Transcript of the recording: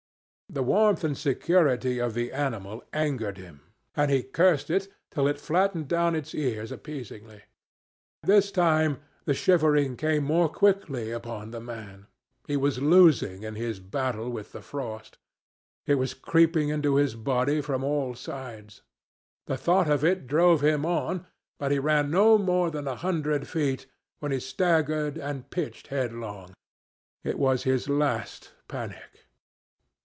The warmth and security of the animal angered him, and he cursed it till it flattened down its ears appeasingly. This time the shivering came more quickly upon the man. He was losing in his battle with the frost. It was creeping into his body from all sides. The thought of it drove him on, but he ran no more than a hundred feet, when he staggered and pitched headlong. It was his last panic.